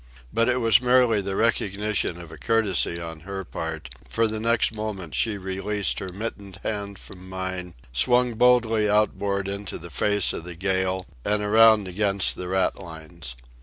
But it was merely the recognition of a courtesy on her part, for the next moment she released her mittened hand from mine, swung boldly outboard into the face of the gale, and around against the ratlines.